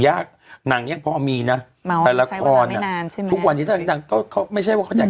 ยากหนังยังพอมีนะแต่ละครทุกวันนี้ก็ไม่ใช่ว่าเขาอยาก